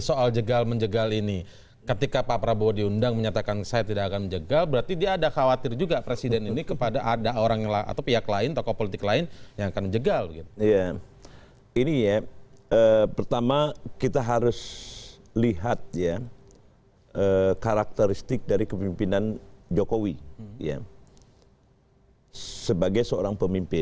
sebagai seorang pemimpin